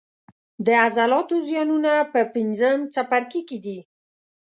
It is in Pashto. د عضلاتو زیانونه په پنځم څپرکي کې دي.